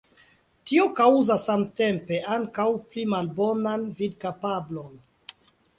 Tio kaŭzas samtempe ankaŭ pli malbonan vidkapablon.